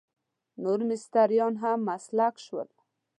نور مستریان هم مسک شول.